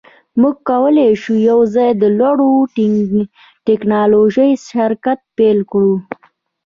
موږ کولی شو یوځای د لوړې ټیکنالوژۍ شرکت پیل کړو